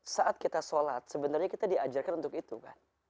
saat kita sholat sebenarnya kita diajarkan untuk itu kan